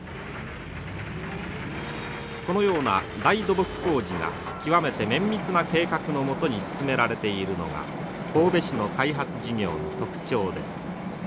このような大土木工事が極めて綿密な計画の下に進められているのが神戸市の開発事業の特徴です。